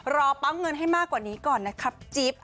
รอปั๊มเงินให้มากกว่านี้ก่อนนะครับจิ๊บ